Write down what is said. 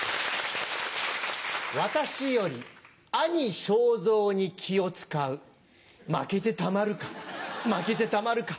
私より兄正蔵に気を使う負けてたまるか負けてたまるか！